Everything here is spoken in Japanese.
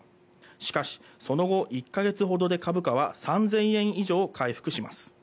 しかしその後１か月ほどで株価は３０００円以上回復します。